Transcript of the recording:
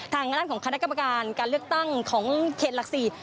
ทางด้านของคณะกรรมการการเลือกตั้งของเขตหลัก๔